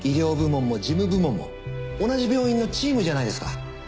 医療部門も事務部門も同じ病院のチームじゃないですか。